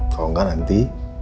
kalau gak nanti